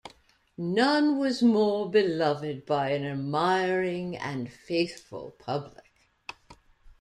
None was more beloved by an admiring and faithful public.